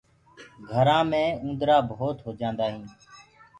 گھرآنٚ مي اُندرآ ڀوت هوجآندآ هينٚ